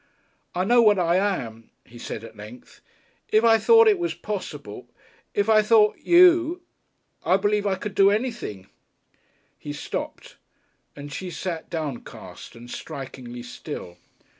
"I know what I am," he said, at length.... "If I thought it was possible.... If I thought you.... I believe I could do anything " He stopped, and she sat downcast and strikingly still.